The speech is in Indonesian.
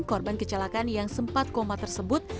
korban kecelakaan yang sempat koma tersebut